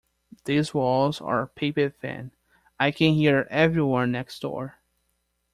These walls are paper thin, I can hear everyone next door.